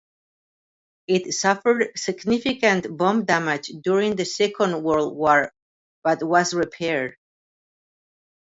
It suffered significant bomb damage during the Second World War but was repaired.